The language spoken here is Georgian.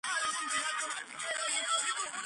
ტოტის გამგზავრება მსოფლიოს ჩემპიონატზე ეჭქვეშ დადგა.